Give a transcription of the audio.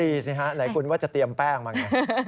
ดีสิฮะไหนคุณว่าจะเตรียมแป้งบ้างเนี่ย